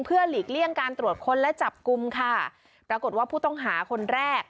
เพื่อหลีกเลี่ยงการตรวจค้นและจับกลุ่มค่ะปรากฏว่าผู้ต้องหาคนแรก